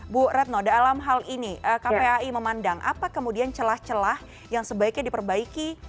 bu retno dalam hal ini kpai memandang apa kemudian celah celah yang sebaiknya diperbaiki